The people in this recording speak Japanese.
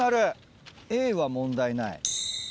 Ａは問題ない。